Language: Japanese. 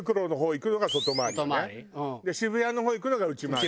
渋谷の方行くのが内回り。